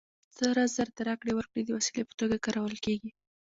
سره زر د راکړې ورکړې د وسیلې په توګه کارول کېږي